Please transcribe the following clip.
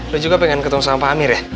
lo juga pengen ketemu sama pak amir ya